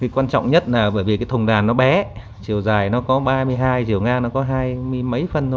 quan trọng nhất là vì thùng đàn bé chiều dài có ba mươi hai chiều ngang có hai mươi mấy phân